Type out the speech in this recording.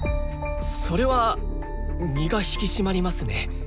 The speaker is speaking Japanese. それは身が引き締まりますね。